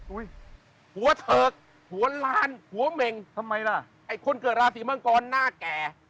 หัวเถิกหัวล้านหัวเหม็งทำไมล่ะไอ้คนเกิดราศีมังกรหน้าแก่